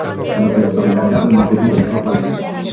Si no te gusta planchar, no te compres ropa de hilo.